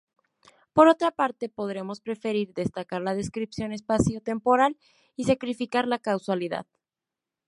Por otra parte, podríamos preferir destacar la descripción espacio-temporal y sacrificar la causalidad.